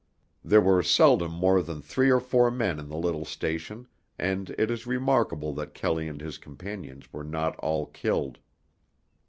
There were seldom more than three or four men in the little station and it is remarkable that Kelley and his companions were not all killed.